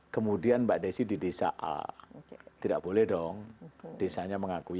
kemudian mbak desi di desa a tidak boleh dong desanya mengakui